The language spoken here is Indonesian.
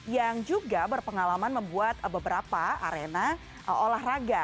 yang juga berpengalaman membuat beberapa arena olahraga